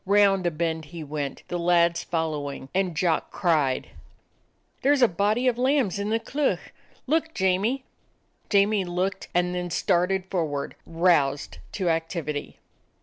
Round a bend he went, the lads follow ing, and Jock cried: "There's a body of lambs in the cleuch! Look, Jamie!" 91 DOG HEROES OF MANY LANDS Jamie looked, and then started forward, roused to activity.